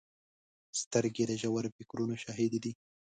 سترګې د ژور فکرونو شاهدې دي